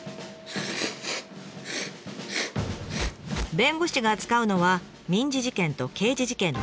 弁護士が扱うのは民事事件と刑事事件の２種類。